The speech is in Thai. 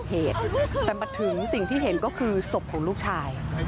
เหตุแต่มาถึงสิ่งที่เห็นก็คือศพของลูกชาย